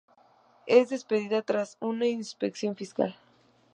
Es despedida tras una inspección fiscal.